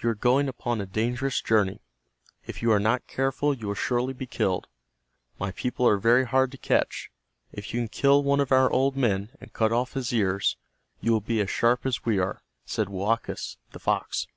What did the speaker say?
You are going upon a dangerous journey. If you are not careful you will surely be killed. My people are very hard to catch. If you can kill one of our old men, and cut off his ears, you will be as sharp as we are," said Woakus, the fox.